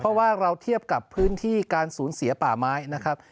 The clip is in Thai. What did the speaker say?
เพราะว่าเราเทียบกับพื้นที่การสูญเสียป่าไม้นะครับ